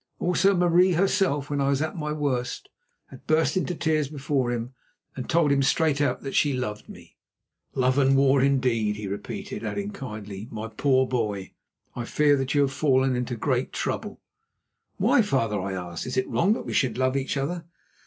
Also Marie herself, when I was at my worst, had burst into tears before him and told him straight out that she loved me. "Love and war indeed!" he repeated, adding kindly, "My poor boy, I fear that you have fallen into great trouble." "Why, father?" I asked. "Is it wrong that we should love each other?"